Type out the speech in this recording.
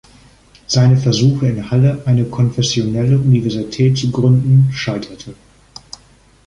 Seine Versuche, in Halle eine konfessionelle Universität zu gründen, scheiterten.